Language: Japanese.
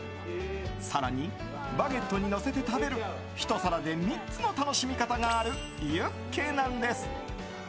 更にバゲットにのせて食べるひと皿で３つの楽しみ方があるユッケなんです。